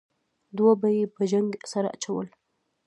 دوه به یې په جنګ سره اچول.